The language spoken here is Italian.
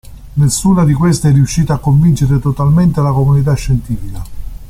Nessuna di queste è riuscita a convincere totalmente la comunità scientifica.